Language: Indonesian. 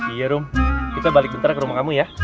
iya rum kita balik bentar ke rumah kamu ya